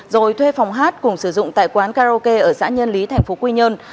rồi thuê phòng hát cùng sử dụng tại quán karaoke ở xã nhân lý thành phố quy nhơn